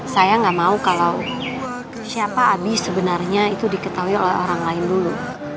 saya nggak mau kalau siapa abi sebenarnya itu diketahui oleh orang lain dulu